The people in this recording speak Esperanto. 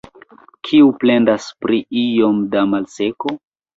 Kiu plendas pri iom da malseko?